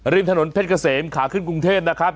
ริมถนนเพชรเกษมขาขึ้นกรุงเทพนะครับ